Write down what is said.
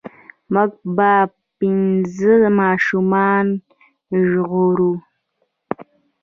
مونږ به پنځه ماشومان ژغورو.